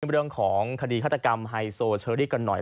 เรื่องของคดีฆาตกรรมไฮโซเชอรี่กันหน่อย